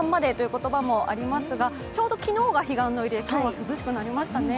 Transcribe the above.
言葉がありますが、ちょうど昨日が彼岸の入りで今日は涼しくなりましたね。